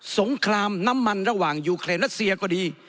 งครามน้ำมันระหว่างยูเครนรัสเซียก็ดี